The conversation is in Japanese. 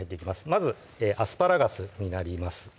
まずアスパラガスになります